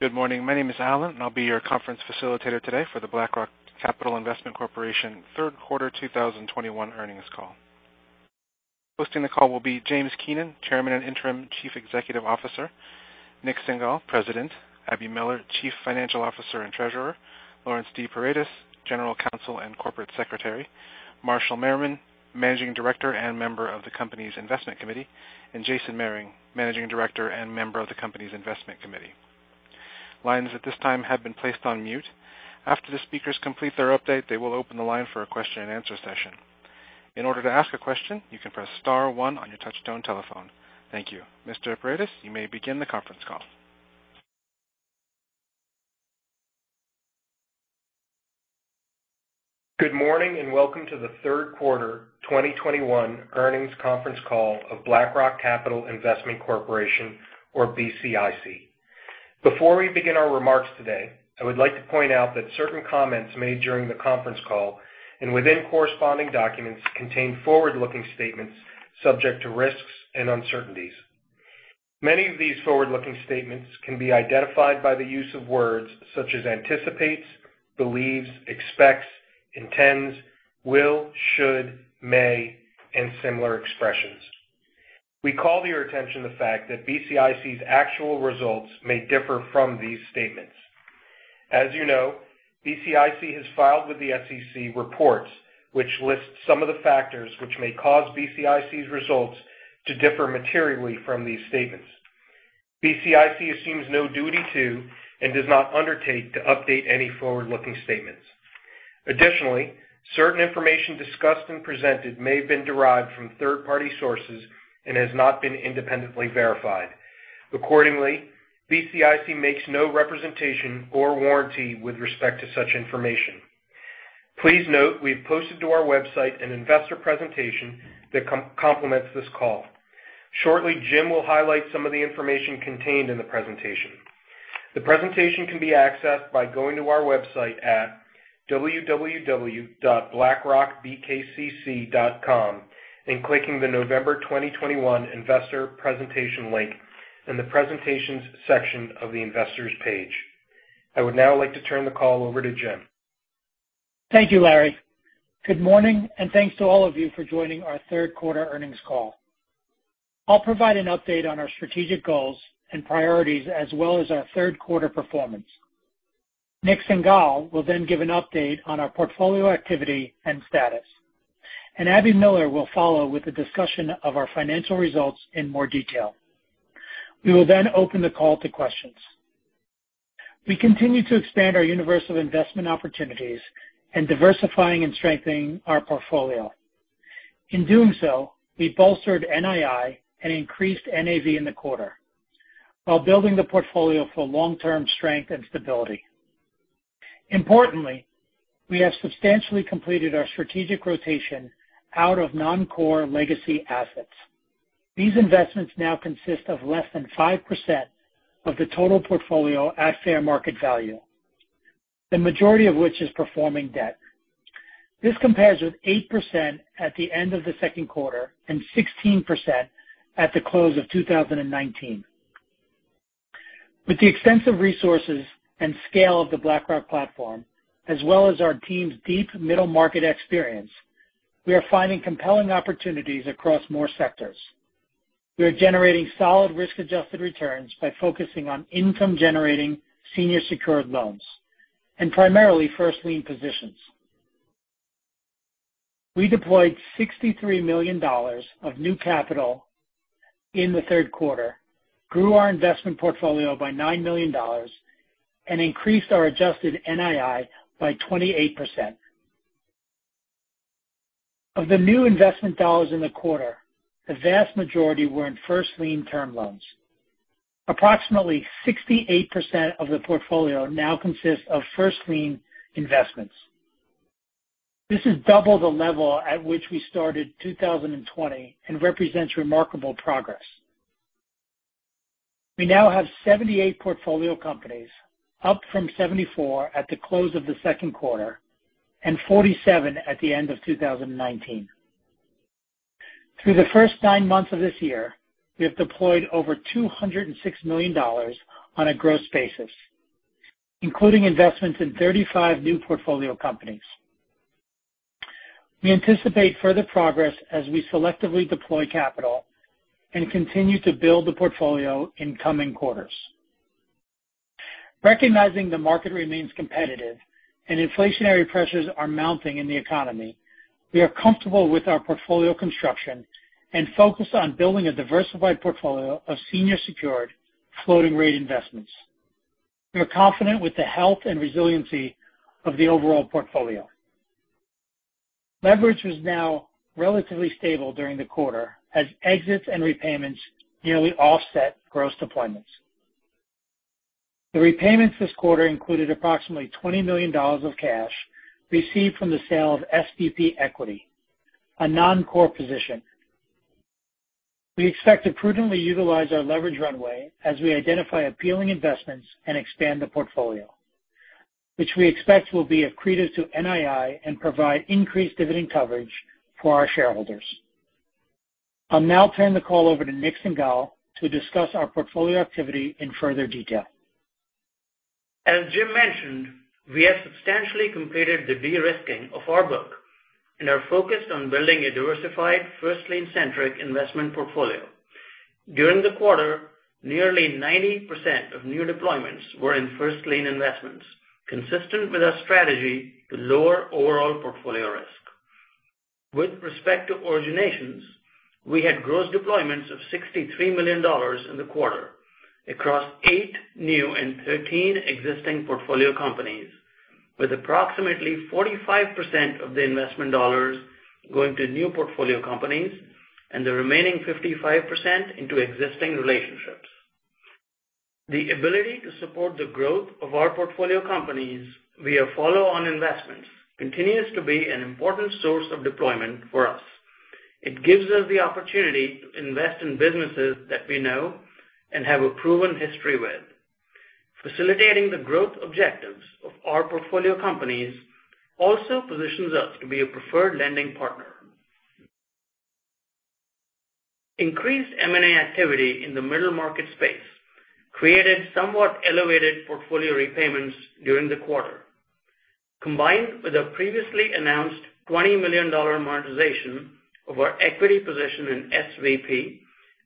Good morning. My name is Alan, and I'll be your Conference Facilitator today for the BlackRock Capital Investment Corporation Third Quarter 2021 Earnings Call. Hosting the call will be James Keenan, Chairman and Interim Chief Executive Officer, Nik Singhal, President, Abby Miller, Chief Financial Officer and Treasurer, Laurence D. Paredes, General Counsel and Corporate Secretary, Marshall Merriman, Managing Director and member of the company's Investment Committee, and Jason Mehring, Managing Director and member of the company's Investment Committee. Lines at this time have been placed on mute. After the speakers complete their update, they will open the line for a question-and-answer session. In order to ask a question, you can press star one on your touchtone telephone. Thank you. Mr. Paredes, you may begin the conference call. Good morning, and welcome to the Third Quarter 2021 Earnings Conference Call of BlackRock Capital Investment Corporation or BCIC. Before we begin our remarks today, I would like to point out that certain comments made during the conference call and within corresponding documents contain forward-looking statements subject to risks and uncertainties. Many of these forward-looking statements can be identified by the use of words such as anticipates, believes, expects, intends, will, should, may, and similar expressions. We call to your attention the fact that BCIC's actual results may differ from these statements. As you know, BCIC has filed with the SEC reports which list some of the factors which may cause BCIC's results to differ materially from these statements. BCIC assumes no duty to and does not undertake to update any forward-looking statements. Additionally, certain information discussed and presented may have been derived from third-party sources and has not been independently verified. Accordingly, BCIC makes no representation or warranty with respect to such information. Please note we've posted to our website an investor presentation that complements this call. Shortly, Jim will highlight some of the information contained in the presentation. The presentation can be accessed by going to our website at www.blackrockbkcc.com and clicking the November 2021 investor presentation link in the Presentations section of the Investors page. I would now like to turn the call over to Jim. Thank you, Larry. Good morning, and thanks to all of you for joining our Third Quarter Earnings Call. I'll provide an update on our strategic goals and priorities as well as our third quarter performance. Nik Singhal will then give an update on our portfolio activity and status, and Abby Miller will follow with a discussion of our financial results in more detail. We will then open the call to questions. We continue to expand our universe of investment opportunities and diversifying and strengthening our portfolio. In doing so, we bolstered NII and increased NAV in the quarter while building the portfolio for long-term strength and stability. Importantly, we have substantially completed our strategic rotation out of non-core legacy assets. These investments now consist of less than 5% of the total portfolio at fair market value, the majority of which is performing debt. This compares with 8% at the end of the second quarter and 16% at the close of 2019. With the extensive resources and scale of the BlackRock platform, as well as our team's deep middle market experience, we are finding compelling opportunities across more sectors. We are generating solid risk-adjusted returns by focusing on income-generating senior secured loans and primarily first lien positions. We deployed $63 million of new capital in the third quarter, grew our investment portfolio by $9 million, and increased our adjusted NII by 28%. Of the new investment dollars in the quarter, the vast majority were in first lien term loans. Approximately 68% of the portfolio now consists of first lien investments. This is double the level at which we started 2020 and represents remarkable progress. We now have 78 portfolio companies, up from 74 at the close of the second quarter and 47 at the end of 2019. Through the first nine months of this year, we have deployed over $206 million on a gross basis, including investments in 35 new portfolio companies. We anticipate further progress as we selectively deploy capital and continue to build the portfolio in coming quarters. Recognizing the market remains competitive and inflationary pressures are mounting in the economy, we are comfortable with our portfolio construction and focused on building a diversified portfolio of senior secured floating rate investments. We are confident with the health and resiliency of the overall portfolio. Leverage was now relatively stable during the quarter as exits and repayments nearly offset gross deployments. The repayments this quarter included approximately $20 million of cash received from the sale of SVP equity, a non-core position. We expect to prudently utilize our leverage runway as we identify appealing investments and expand the portfolio, which we expect will be accretive to NII and provide increased dividend coverage for our shareholders. I'll now turn the call over to Nik Singhal to discuss our portfolio activity in further detail. As Jim mentioned, we have substantially completed the de-risking of our book and are focused on building a diversified first lien-centric investment portfolio. During the quarter, nearly 90% of new deployments were in first lien investments, consistent with our strategy to lower overall portfolio risk. With respect to originations, we had gross deployments of $63 million in the quarter across eight new and 13 existing portfolio companies, with approximately 45% of the investment dollars going to new portfolio companies and the remaining 55% into existing relationships. The ability to support the growth of our portfolio companies via follow-on investments continues to be an important source of deployment for us. It gives us the opportunity to invest in businesses that we know and have a proven history with. Facilitating the growth objectives of our portfolio companies also positions us to be a preferred lending partner. Increased M&A activity in the middle market space created somewhat elevated portfolio repayments during the quarter. Combined with a previously announced $20 million monetization of our equity position in SVP,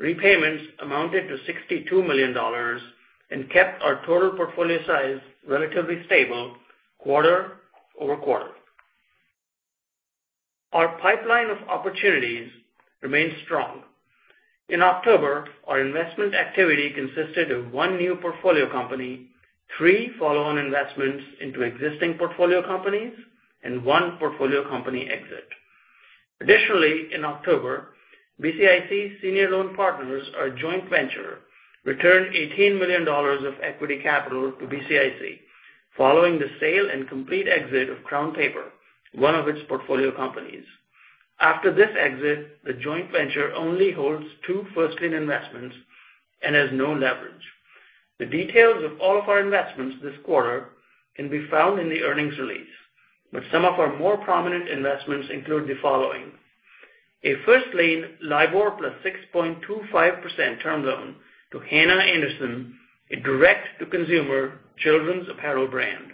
repayments amounted to $62 million and kept our total portfolio size relatively stable quarter over quarter. Our pipeline of opportunities remains strong. In October, our investment activity consisted of one new portfolio company, three follow-on investments into existing portfolio companies, and one portfolio company exit. Additionally, in October, BCIC Senior Loan Partners, our joint venture, returned $18 million of equity capital to BCIC following the sale and complete exit of Crown Paper, one of its portfolio companies. After this exit, the joint venture only holds two first lien investments and has no leverage. The details of all of our investments this quarter can be found in the earnings release, but some of our more prominent investments include the following. A first lien LIBOR + 6.25% term loan to Hanna Andersson, a direct-to-consumer children's apparel brand.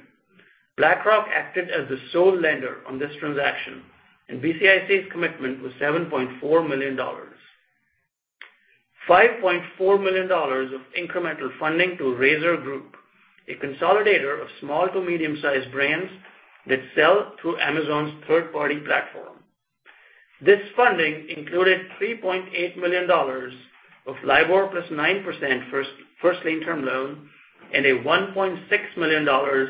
BlackRock acted as the sole lender on this transaction, and BCIC's commitment was $7.4 million. $5.4 million of incremental funding to Razor Group, a consolidator of small to medium-sized brands that sell through Amazon's third-party platform. This funding included $3.8 million of LIBOR + 9% first lien term loan and a $1.6 million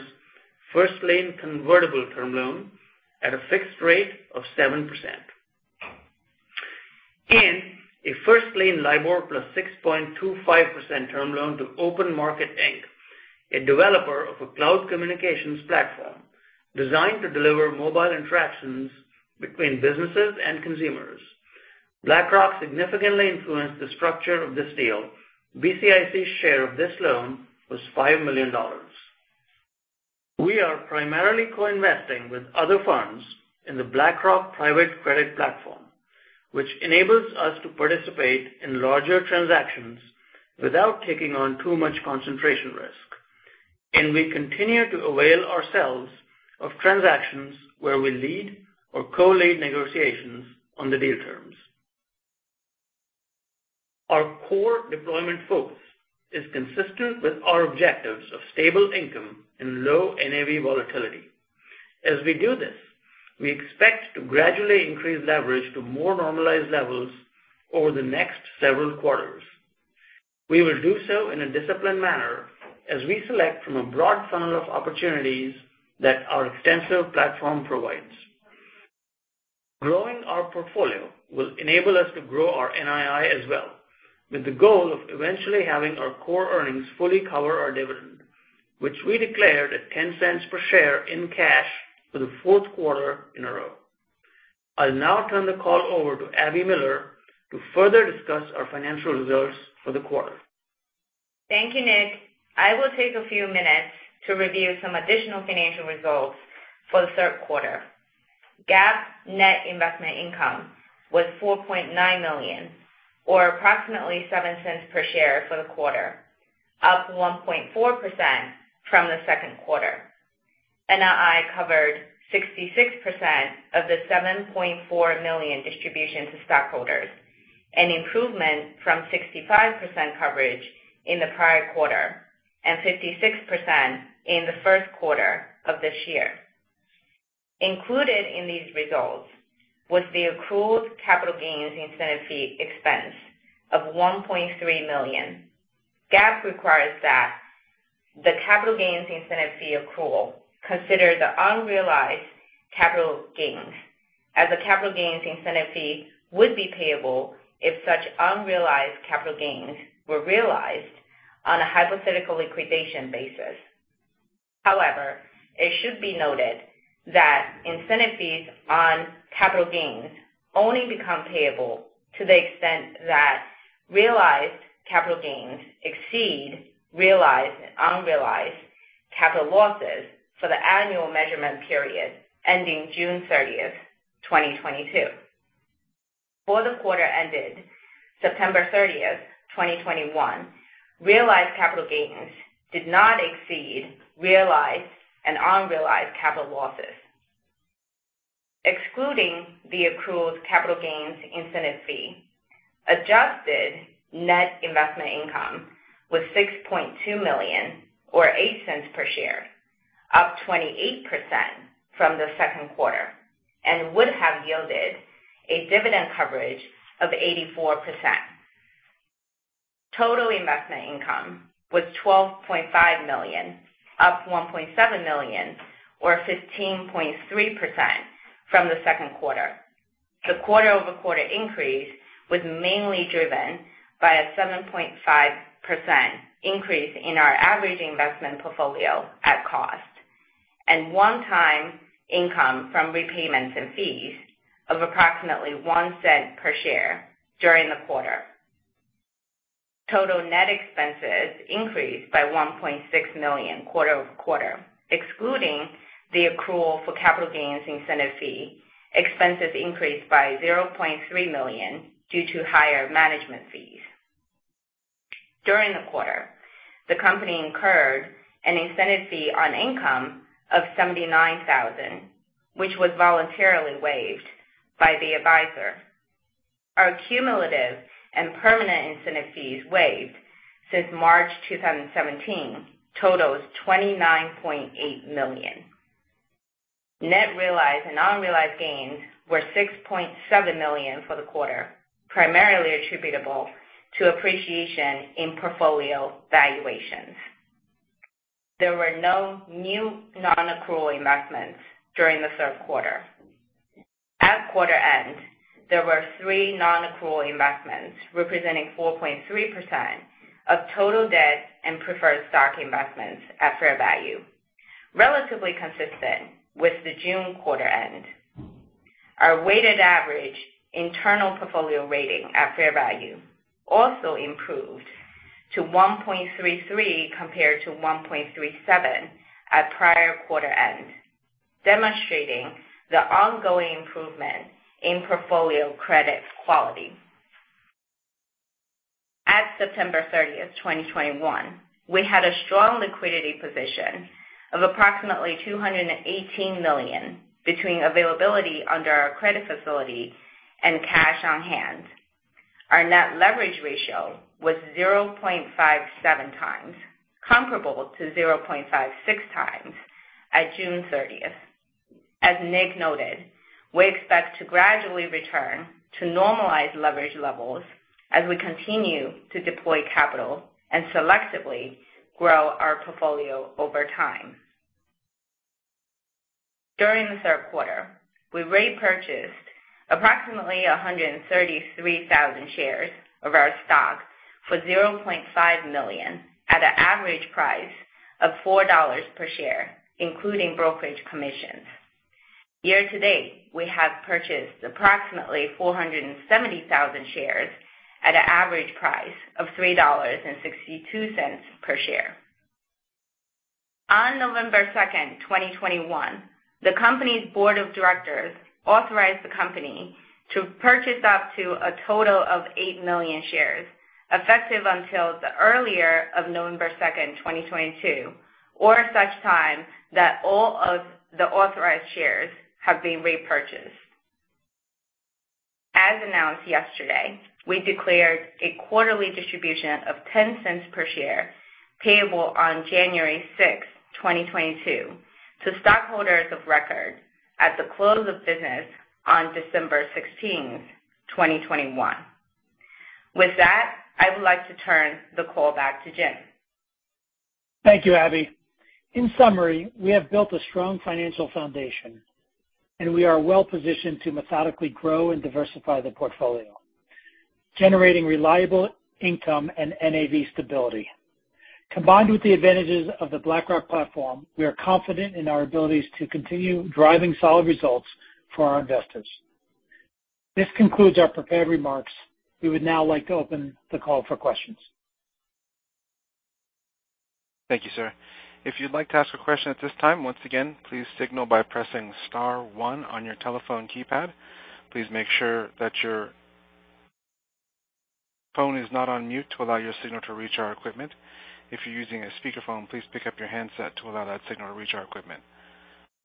first lien convertible term loan at a fixed rate of 7%. A first lien LIBOR + 6.25% term loan to OpenMarket Inc., a developer of a cloud communications platform designed to deliver mobile interactions between businesses and consumers. BlackRock significantly influenced the structure of this deal. BCIC's share of this loan was $5 million. We are primarily co-investing with other funds in the BlackRock private credit platform, which enables us to participate in larger transactions without taking on too much concentration risk. We continue to avail ourselves of transactions where we lead or co-lead negotiations on the deal terms. Our core deployment focus is consistent with our objectives of stable income and low NAV volatility. As we do this, we expect to gradually increase leverage to more normalized levels over the next several quarters. We will do so in a disciplined manner as we select from a broad funnel of opportunities that our extensive platform provides. Growing our portfolio will enable us to grow our NII as well, with the goal of eventually having our core earnings fully cover our dividend, which we declared at $0.10 per share in cash for the fourth quarter in a row. I'll now turn the call over to Abby Miller to further discuss our financial results for the quarter. Thank you, Nik. I will take a few minutes to review some additional financial results for the third quarter. GAAP net investment income was $4.9 million or approximately $0.07 per share for the quarter, up 1.4% from the second quarter. NII covered 66% of the $7.4 million distribution to stockholders, an improvement from 65% coverage in the prior quarter and 56% in the first quarter of this year. Included in these results was the accrued capital gains incentive fee expense of $1.3 million. GAAP requires that the capital gains incentive fee accrual consider the unrealized capital gains, as the capital gains incentive fee would be payable if such unrealized capital gains were realized on a hypothetical liquidation basis. However, it should be noted that incentive fees on capital gains only become payable to the extent that realized capital gains exceed realized and unrealized capital losses for the annual measurement period ending June 30th, 2022. For the quarter ended September 30th, 2021, realized capital gains did not exceed realized and unrealized capital losses. Excluding the accrued capital gains incentive fee, adjusted net investment income was $6.2 million or $0.08 per share, up 28% from the second quarter, and would have yielded a dividend coverage of 84%. Total investment income was $12.5 million, up $1.7 million or 15.3% from the second quarter. The quarter-over-quarter increase was mainly driven by a 7.5% increase in our average investment portfolio at cost, and one-time income from repayments and fees of approximately $0.01 per share during the quarter. Total net expenses increased by $1.6 million quarter-over-quarter. Excluding the accrual for capital gains incentive fee, expenses increased by $0.3 million due to higher management fees. During the quarter, the company incurred an incentive fee on income of $79,000, which was voluntarily waived by the advisor. Our cumulative and permanent incentive fees waived since March 2017 total $29.8 million. Net realized and unrealized gains were $6.7 million for the quarter, primarily attributable to appreciation in portfolio valuations. There were no new non-accrual investments during the third quarter. At quarter-end, there were three non-accrual investments representing 4.3% of total debt and preferred stock investments at fair value, relatively consistent with the June quarter-end. Our weighted average internal portfolio rating at fair value also improved to 1.33 compared to 1.37 at prior quarter end, demonstrating the ongoing improvement in portfolio credit quality. At September 30th, 2021, we had a strong liquidity position of approximately $218 million between availability under our credit facility and cash on hand. Our net leverage ratio was 0.57x comparable to 0.56x at June 30th. As Nik noted, we expect to gradually return to normalized leverage levels as we continue to deploy capital and selectively grow our portfolio over time. During the third quarter, we repurchased approximately 133,000 shares of our stock for $0.5 million at an average price of $4 per share, including brokerage commissions. Year to date, we have purchased approximately 470,000 shares at an average price of $3.62 per share. On November 2nd, 2021, the company's board of directors authorized the company to purchase up to a total of 8 million shares effective until the earlier of November 2nd, 2022, or such time that all of the authorized shares have been repurchased. As announced yesterday, we declared a quarterly distribution of $0.10 per share payable on January 6, 2022 to stockholders of record at the close of business on December 16, 2021. With that, I would like to turn the call back to Jim. Thank you, Abby. In summary, we have built a strong financial foundation, and we are well-positioned to methodically grow and diversify the portfolio, generating reliable income and NAV stability. Combined with the advantages of the BlackRock platform, we are confident in our abilities to continue driving solid results for our investors. This concludes our prepared remarks. We would now like to open the call for questions. Thank you, sir. If you'd like to ask a question at this time, once again, please signal by pressing star one on your telephone keypad. Please make sure that your phone is not on mute to allow your signal to reach our equipment. If you're using a speakerphone, please pick up your handset to allow that signal to reach our equipment.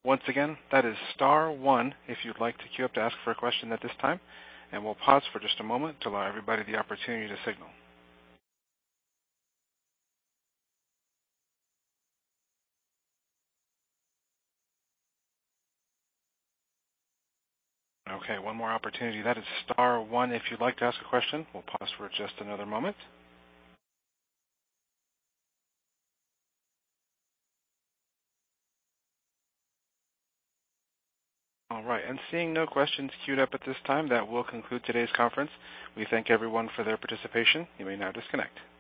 Once again, that is star one if you'd like to queue up to ask for a question at this time, and we'll pause for just a moment to allow everybody the opportunity to signal. Okay, one more opportunity. That is star one if you'd like to ask a question. We'll pause for just another moment. All right. I'm seeing no questions queued up at this time. That will conclude today's conference. We thank everyone for their participation. You may now disconnect.